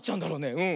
うん。